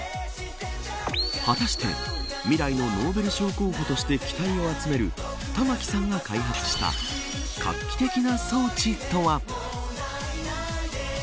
果たして未来のノーベル賞候補として期待を集める玉城さんが開発した画期的な装置とは。